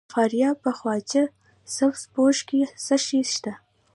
د فاریاب په خواجه سبز پوش کې څه شی شته؟